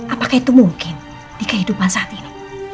apakah itu mungkin di kehidupan saat ini